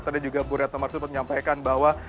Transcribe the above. tadi juga bu riyad tamarsul menyampaikan bahwa